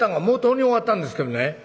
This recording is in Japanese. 「もうとうに終わったんですけどね